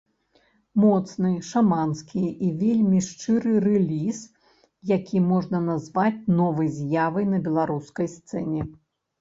Моцны, шаманскі і вельмі шчыры рэліз, які можна назваць новай з'явай на беларускай сцэне.